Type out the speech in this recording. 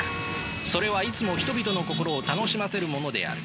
それはいつも人々の心を楽しませるものである。